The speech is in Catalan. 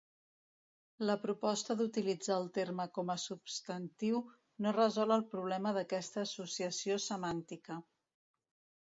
La proposta d'utilitzar el terme com a substantiu no resol el problema d'aquesta associació semàntica.